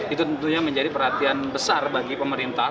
itu tentunya menjadi perhatian besar bagi pemerintah